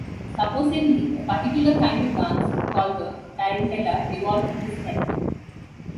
Supposedly a particular kind of dance, called the tarantella, evolved from this therapy.